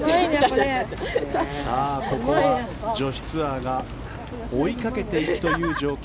ここは女子ツアーが追いかけていくという状況。